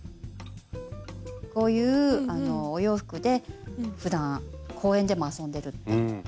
こういうお洋服でふだん公園でも遊んでるっていう。